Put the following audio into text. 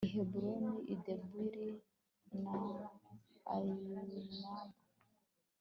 i heburoni, i debiri, i anabu